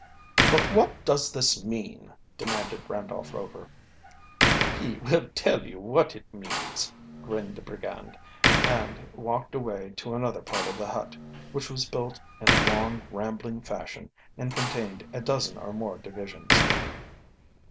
"But what does this mean?" demanded Randolph Rover. "He will tell you what it means," grinned the brigand, and walked away to another part of the hut, which was built in a long, rambling fashion, and contained a dozen or more divisions.